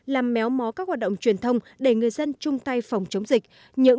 làm méo mó các hoạt động truyền thông để người dân chung tay phòng chống dịch